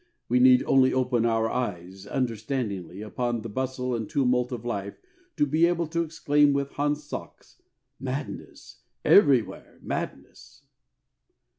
We need only open our eyes understandingly upon the bustle and tumult of life to be able to exclaim with Hans Sachs: "Madness! Everywhere madness!"